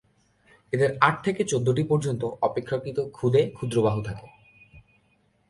এদের আট থেকে চৌদ্দটি পর্যন্ত অপেক্ষাকৃত ক্ষুদে ক্ষুদ্র বাহু থাকে।